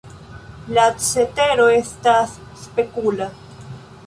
La cetero estas spekula.